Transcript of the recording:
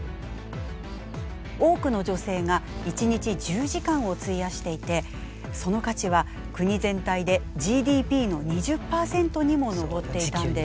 多くの女性が一日１０時間を費やしていてその価値は国全体でＧＤＰの２０％にも上っていたんです。